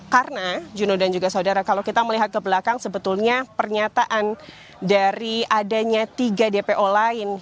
karena juno dan juga saudara kalau kita melihat ke belakang sebetulnya pernyataan dari adanya tiga dpo lain